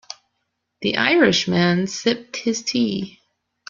The Irish man sipped his tea.